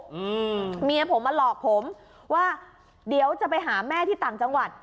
อืมเมียผมมาหลอกผมว่าเดี๋ยวจะไปหาแม่ที่ต่างจังหวัด